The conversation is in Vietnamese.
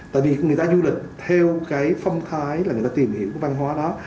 tại vì người ta du lịch theo cái phong thái là người ta tìm hiểu cái văn hóa đó